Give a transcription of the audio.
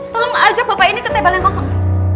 tolong ajak bapak ini ke tebal yang kosong